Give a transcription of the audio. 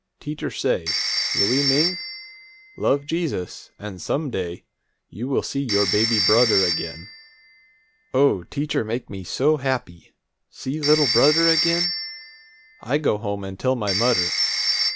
Teacher say, 'Louie Ming, love Jesus, an' some day you see your baby brudder again.' O, teacher make me so happy! See little brudder again! I go home and tell my mudder.